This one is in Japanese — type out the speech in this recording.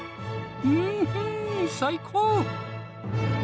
うん最高。